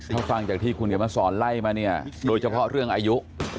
ถ้าฟังจากที่คุณเขียนมาสอนไล่มาเนี่ยโดยเฉพาะเรื่องอายุ